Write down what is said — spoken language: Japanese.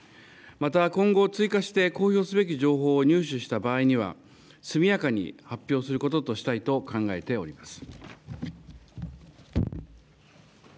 また、今後、追加して公表すべき情報を入手した場合には、速やかに発表することとしたいと考えております。